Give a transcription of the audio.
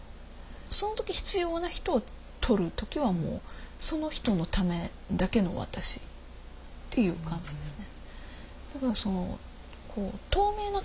その時必要な人を撮る時はもうその人のためだけの私っていう感じですね。